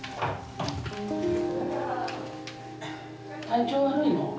体調悪いの？